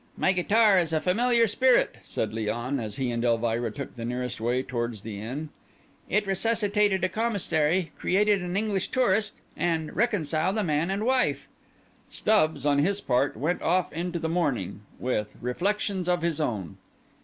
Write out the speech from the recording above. "My guitar is a familiar spirit," said Léon, as he and Elvira took the nearest way towards the inn, "it resuscitated a Commissary, created an English tourist, and reconciled a man and wife." Stubbs, on his part, went off into the morning with reflections of his own.